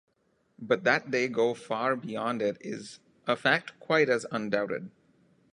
But that they go far beyond it is a fact quite as undoubted.